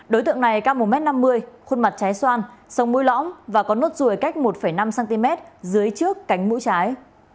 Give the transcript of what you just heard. đối tượng này cao một m năm mươi khuôn mặt trái xoan sống mũi lõm và có nốt ruồi cách một năm cm dưới trước cánh mũi trái